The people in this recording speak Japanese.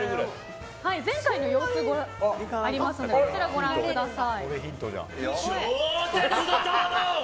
前回の様子ありますのでこちらご覧ください。